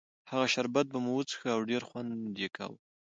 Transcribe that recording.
هغه شربت به مو څښه او ډېر خوند یې کاوه.